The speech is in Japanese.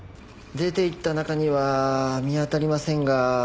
出ていった中には見当たりませんが。